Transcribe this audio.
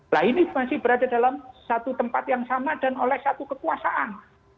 nah ini masih berada dalam satu tempat yang sama dan oleh satu kekuasaan